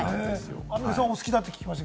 アンミカさん、お好きだって聞きました。